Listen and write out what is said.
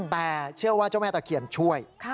แต่เชื่อว่าเจ้าแม่ตะเคียนช่วย